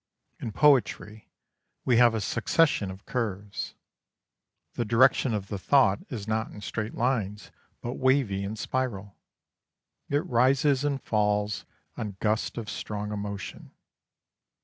In poetry, we have a succession of curves. The direction of the thought is not in straight lines, but wavy and spiral. It rises and falls on gusts of strong emotion.